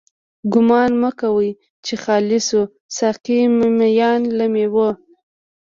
ګومان مه کړه چی خالی شوه، ساقی مينا له ميو